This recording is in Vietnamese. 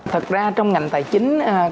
thật ra trong ngành tài chính